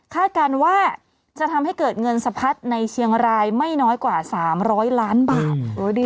การว่าจะทำให้เกิดเงินสะพัดในเชียงรายไม่น้อยกว่า๓๐๐ล้านบาท